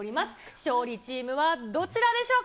勝利チームはどちらでしょうか。